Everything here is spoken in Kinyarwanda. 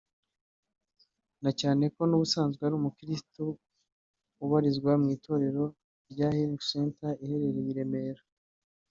na cyane ko n'ubusanzwe ari umukristo ubarizwa mu itorero rya Healing Centre riherereye i Remera